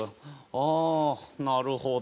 「ああなるほど」。